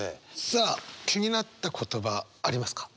さあ気になった言葉ありますか？